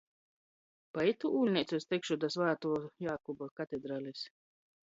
Pa itū ūļneicu es tikšu da Svātuo Jākuba katedralis?